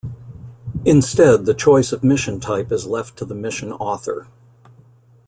Instead, the choice of mission type is left to the mission author.